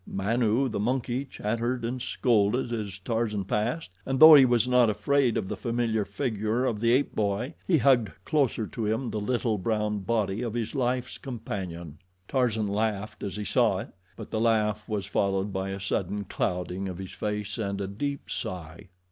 Manu, the monkey, chattered and scolded as Tarzan passed, and though he was not afraid of the familiar figure of the ape boy, he hugged closer to him the little brown body of his life's companion. Tarzan laughed as he saw it; but the laugh was followed by a sudden clouding of his face and a deep sigh.